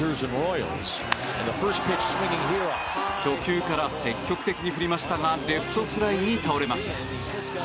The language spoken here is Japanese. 初球から積極的に振りましたがレフトフライに倒れます。